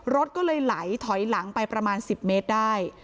รถก็เลยไหลถอยหลังไปประมาณ๑๐เมตรได้